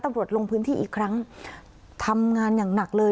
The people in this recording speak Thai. ลงพื้นที่อีกครั้งทำงานอย่างหนักเลย